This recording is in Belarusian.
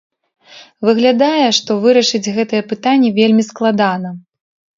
Выглядае, што вырашыць гэтыя пытанні вельмі складана.